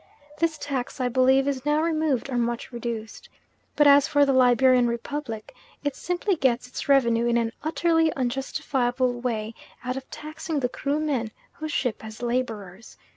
This tax, I believe, is now removed or much reduced; but as for the Liberian Republic, it simply gets its revenue in an utterly unjustifiable way out of taxing the Krumen who ship as labourers.